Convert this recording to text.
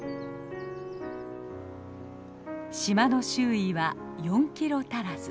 島の周囲は４キロ足らず。